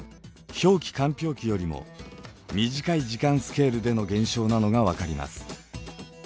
氷期よりも短い時間スケールでの現象なのが分かります。